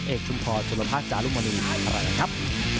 เอกชุมพอร์สุลภาคจารุมณีอะไรนะครับ